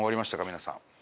皆さん。